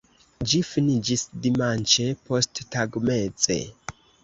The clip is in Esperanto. Ĝi finiĝis dimanĉe posttagmeze.